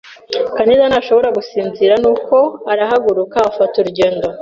Kaneza ntashobora gusinzira nuko arahaguruka afata urugendo.